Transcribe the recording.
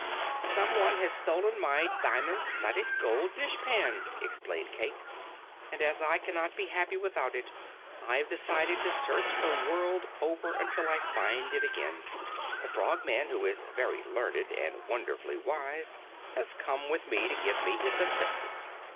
"Someone has stolen my diamond studded gold dishpan," explained Cayke, "and as I cannot be happy without it, I have decided to search the world over until I find it again. The Frogman, who is very learned and wonderfully wise, has come with me to give me his assistance.